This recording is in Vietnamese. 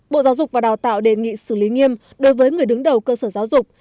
bộ giáo dục và đào tạo đề nghị xử lý nghiêm đối với người đứng đầu cơ sở giáo dục